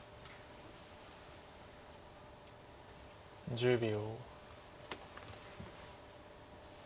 １０秒。